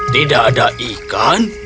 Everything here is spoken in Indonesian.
tidak ada ikan